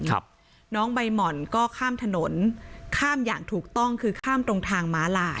ครับน้องใบหม่อนก็ข้ามถนนข้ามอย่างถูกต้องคือข้ามตรงทางม้าลาย